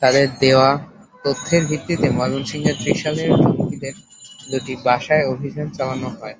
তাদের দেওয়া তথ্যের ভিত্তিতে ময়নসিংহের ত্রিশালের জঙ্গিদের দুটি বাসায় অভিযান চালানো হয়।